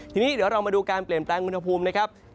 ทีนี้เดี๋ยวเรามาดูการเปลี่ยนแปลงอุณหภูมินะครับ